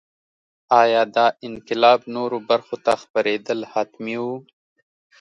ایا دا انقلاب نورو برخو ته خپرېدل حتمي وو.